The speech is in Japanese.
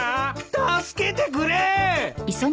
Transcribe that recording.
助けてくれー！